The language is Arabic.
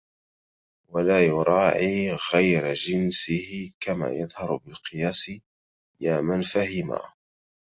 ولا يراعي غير جنسه كمآ يظهر بالقياسِ يامن فهمآ